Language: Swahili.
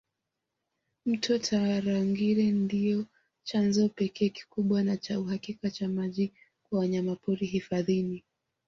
Mto Tarangire ndio chanzo pekee kikubwa na cha uhakika cha maji kwa wanyamapori hifadhini